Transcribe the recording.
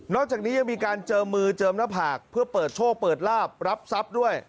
จากนี้ยังมีการเจิมมือเจิมหน้าผากเพื่อเปิดโชคเปิดลาบรับทรัพย์ด้วย